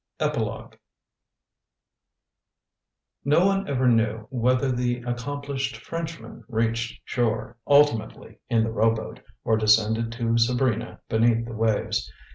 EPILOGUE No one ever knew whether the accomplished Frenchman reached shore, ultimately, in the rowboat, or descended to Sabrina beneath the waves.